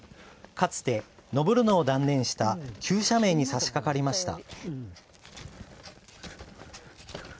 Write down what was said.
かつて、登るのを断念した急斜面にさしかかりました。